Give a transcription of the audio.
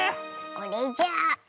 これじゃ。